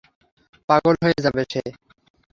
পাগল হয়ে যাবে সে।